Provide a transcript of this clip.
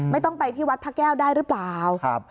ไม่ต้องไปที่วัดพระแก้วได้หรือเปล่า